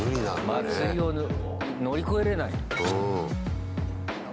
祭りを乗り越えれない。